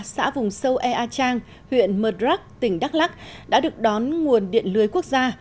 xã vùng sâu ea trang huyện mật rắc tỉnh đắk lắc đã được đón nguồn điện lưới quốc gia